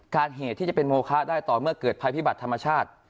เหตุที่จะเป็นโมคะได้ต่อเมื่อเกิดภัยพิบัติธรรมชาติ